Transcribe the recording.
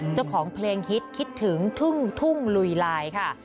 เจ้าของเพลงฮิตคิดถึงทุ่งลุยลายค่ะ